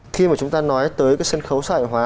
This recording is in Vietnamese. khi mà chúng ta nói tới cái sân khấu xã hội hóa